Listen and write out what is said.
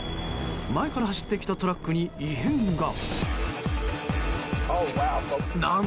前から走ってきたトラックに異変が。